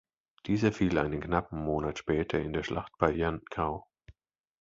Dieser fiel einen knappen Monat später in der Schlacht bei Jankau.